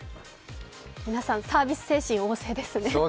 皆さんサービス精神旺盛ですね。